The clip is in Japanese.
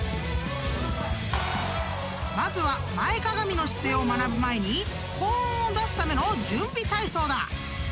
［まずは前かがみの姿勢を学ぶ前に高音を出すための準備体操だ］